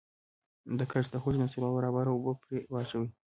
د ګچ د حجم د څلور برابره اوبه پرې واچوئ.